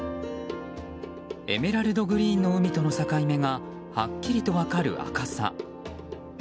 エメラルドグリーンの海との境目がはっきりと分かる赤さ。